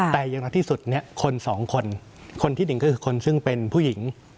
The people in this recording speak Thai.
แต่อย่างน้อยที่สุดเนี่ยคนสองคนคนที่หนึ่งก็คือคนซึ่งเป็นผู้หญิง